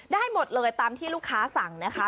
ได้หมดเลยตามที่ลูกค้าสั่งนะคะ